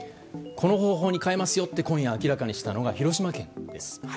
この方法に変えますと今夜、明らかにしたのが広島県です。